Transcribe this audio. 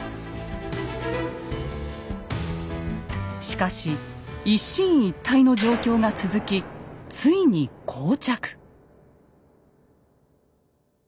しかし一進一退の状況が続きついにこう着。